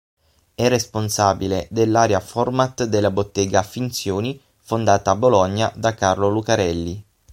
È responsabile dell'area Format della Bottega Finzioni fondata a Bologna da Carlo Lucarelli.